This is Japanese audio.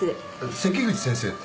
関口先生って？